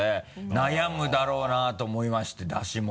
悩むだろうなと思いまして出し物。